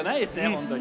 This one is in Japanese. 本当に。